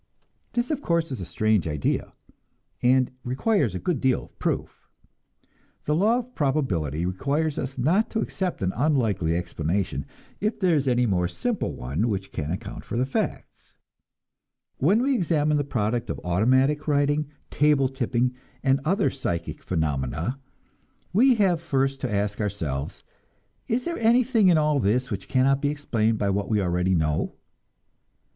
This, of course, is a strange idea, and requires a good deal of proof. The law of probability requires us not to accept an unlikely explanation, if there is any more simple one which can account for the facts. When we examine the product of automatic writing, table tipping, and other psychic phenomena, we have first to ask ourselves, Is there anything in all this which cannot be explained by what we already know?